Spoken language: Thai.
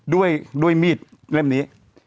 ด้วยมีดเล่มนี้